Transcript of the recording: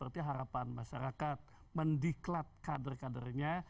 berarti harapan masyarakat mendiklat kader kadernya